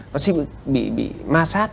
nó sẽ bị massage